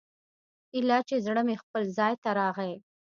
ايله چې زړه مې خپل ځاى ته راغى.